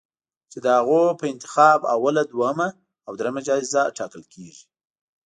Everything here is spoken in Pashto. چې د هغوی په انتخاب اوله، دویمه او دریمه جایزه ټاکل کېږي